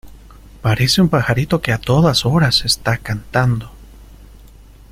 Parece un pajarito que a todas horas está cantando.